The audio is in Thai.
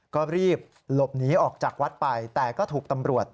ก็รีบหลบหนีออกจากวัดไปแต่ก็ถูกตำรวจ